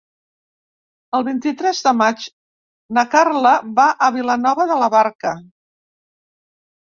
El vint-i-tres de maig na Carla va a Vilanova de la Barca.